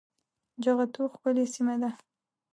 جغتو ښکلې سيمه ده